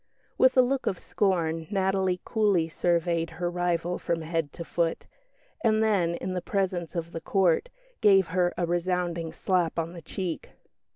With a look of scorn Natalie coolly surveyed her rival from head to foot; and then, in the presence of the Court, gave her a resounding slap on the cheek.